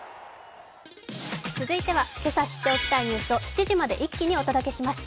続いてはけさ知っておきたいニュースを７時まで一気にお届けします。